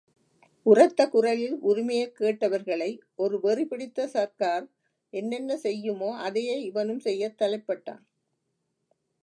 உரத்தக் குரலில் உரிமையைக் கேட்டவர்களை ஒரு வெறி பிடித்த சர்க்கார் என்னென்ன செய்யுமோ அதையே இவனும் செய்யத் தலைப்பட்டான்.